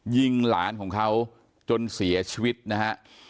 ยิงหลานของเขาจนเสียชีวิตนะฮะ